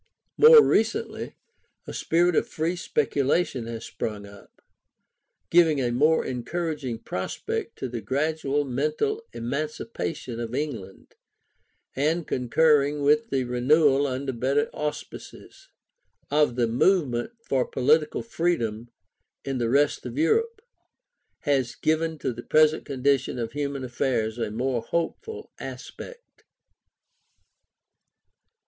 More recently a spirit of free speculation has sprung up, giving a more encouraging prospect of the gradual mental emancipation of England; and concurring with the renewal under better auspices, of the movement for political freedom in the rest of Europe, has given to the present condition of human affairs a more hopeful aspect.